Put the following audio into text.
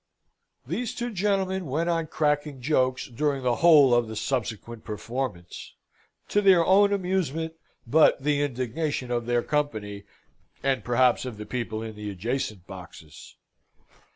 These two gentlemen went on cracking jokes during the whole of the subsequent performance, to their own amusement, but the indignation of their company, and perhaps of the people in the adjacent boxes.